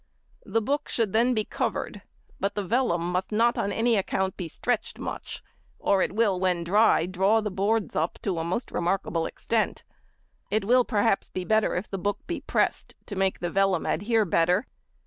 The book should then be covered, but the vellum must not on any account be stretched much, or it will, when dry, draw the boards up to a most remarkable extent. It will perhaps be better if the book be pressed, to make the vellum adhere better.